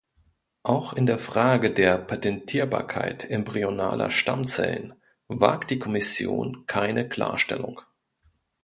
Auch in der Frage der Patentierbarkeit embryonaler Stammzellen wagt die Kommission keine Klarstellung.